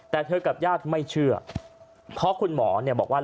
แต่เธอกับญาติไม่เชื่อเพราะคุณหมอเนี่ยบอกว่า